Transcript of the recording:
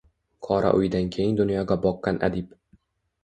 Qora uydan keng dunyoga boqqan adib